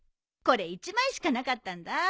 これ１枚しかなかったんだ。